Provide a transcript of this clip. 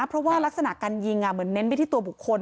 เพราะว่ารักษณะการยิงเหมือนเน้นไปที่ตัวบุคคล